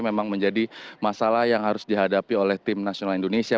memang menjadi masalah yang harus dihadapi oleh tim nasional indonesia